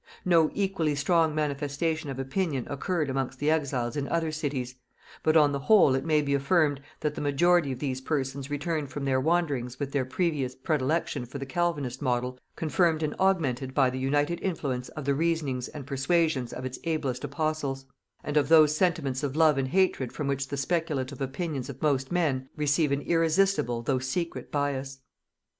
No equally strong manifestation of opinion occurred amongst the exiles in other cities; but on the whole it may be affirmed, that the majority of these persons returned from their wanderings with their previous predilection for the Calvinistic model confirmed and augmented by the united influence of the reasonings and persuasions of its ablest apostles, and of those sentiments of love and hatred from which the speculative opinions of most men receive an irresistible though secret bias.